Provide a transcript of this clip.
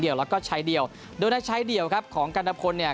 เดียวแล้วก็ชัยเดียวโดยได้ใช้เดียวครับของกันตะพลเนี่ย